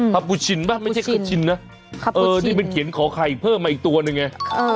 ครับปูชินอ่ะอือที่มันเขียนขอไข่เพิ่มอีกตัวนู่นนึงนี่